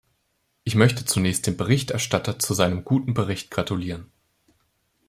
Ich möchte zunächst dem Berichterstatter zu seinem guten Bericht gratulieren.